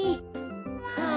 はあ。